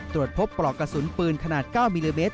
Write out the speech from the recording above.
ตรวจพบปลอกกระสุนปืนขนาด๙มิลลิเมตร